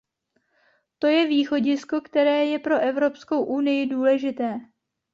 To je východisko, které je pro Evropskou unii důležité.